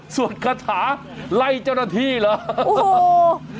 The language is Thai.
คาถาไล่เจ้าหน้าที่เหรอ